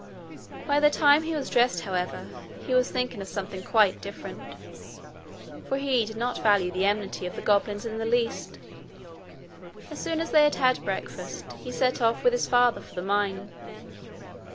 By the time he was dressed, however, he was thinking of something quite different, for he did not value the enmity of the goblins in the least. As soon as they had had breakfast, he set off with his father for the mine.